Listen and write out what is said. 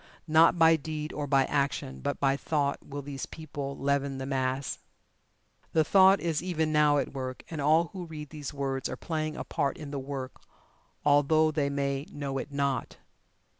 Not by deed, or by action, but by Thought, will these people leaven the mass. The Thought is even now at work, and all who read these words are playing a part in the work, although they may know it not.